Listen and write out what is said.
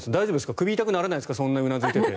首痛くならないですかそんなうなずいていて。